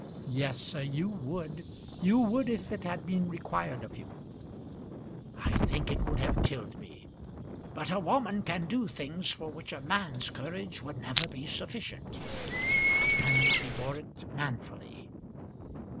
"Yes, sir, you would; you would, if it had been required of you." "I think it would have killed me. But a woman can do things for which a man's courage would never be sufficient. And he bore it manfully."